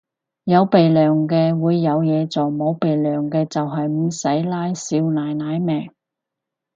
有鼻樑嘅會有嘢做，冇鼻樑就係唔使撈少奶奶命